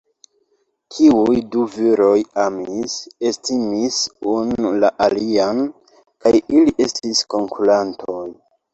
Tiuj du viroj amis, estimis unu la alian; kaj ili estis konkurantoj.